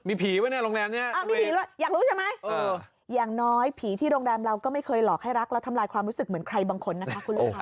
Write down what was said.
มีผีป่ะเนี่ยโรงแรมนี้มีผีด้วยอยากรู้ใช่ไหมอย่างน้อยผีที่โรงแรมเราก็ไม่เคยหลอกให้รักแล้วทำลายความรู้สึกเหมือนใครบางคนนะคะคุณลูกค้า